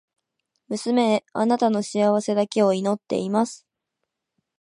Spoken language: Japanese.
娘へ、貴女の幸せだけを祈っています。